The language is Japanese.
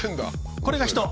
これが人。